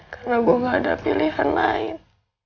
karena gue gak ada pilihan lain